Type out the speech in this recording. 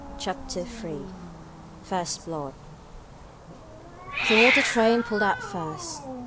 CHAPTER m FIRST BLOOD THE water train pulled out first.